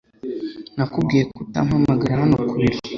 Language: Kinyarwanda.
Nakubwiye ko utampamagara hano ku biro.